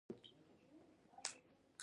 زه د خپلې ژبې د سمون هڅه کوم